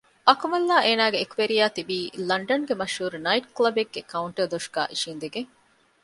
އަކުމަލްއާއި އޭނާގެ އެކުވެރިޔާ ތިބީ ލަންޑަންގެ މަޝްހޫރު ނައިޓު ކުލަބެއްގެ ކައުންޓަރު ދޮށުގައި އިށީނދެގެން